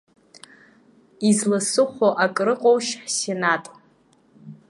Изласыхәо акрыҟоушь ҳсенат?